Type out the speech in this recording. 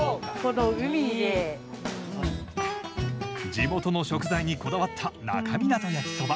地元の食材にこだわった那珂湊焼きそば。